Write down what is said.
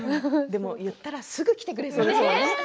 でも言ったらすぐ来てくれそうですよね。